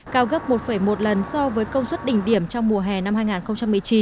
cao gấp một một lần so với công suất đỉnh điểm trong mùa hè năm hai nghìn một mươi chín